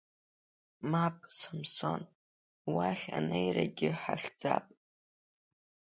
Мап, Самсон, уахь анеирагьы ҳахьӡап.